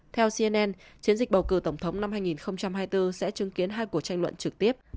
theo cnn chiến dịch bầu cử tổng thống năm hai nghìn hai mươi bốn sẽ chứng kiến hai cuộc tranh luận trực tiếp